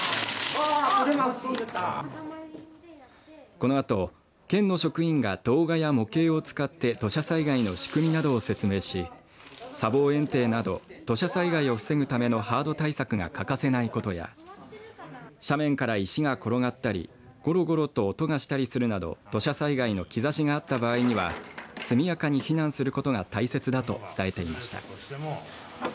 このあと、県の職員が動画や模型を使って土砂災害の仕組みなどを説明し砂防えん堤など土砂災害を防ぐためのハード対策が欠かせないことや斜面から石が転がったりごろごろと音がしたりするなど土砂災害の兆しがあった場合には速やかに避難することが大切だと伝えていました。